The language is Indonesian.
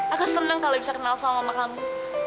aku senang kalau bisa kenal sama kamu